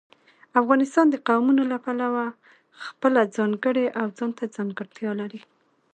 افغانستان د قومونه له پلوه خپله ځانګړې او ځانته ځانګړتیا لري.